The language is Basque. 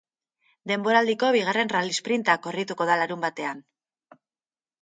Denboraldiko bigarren rallysprinta korrituko da larunbatean.